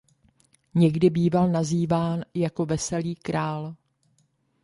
Někdy býval nazýván jako "veselý král".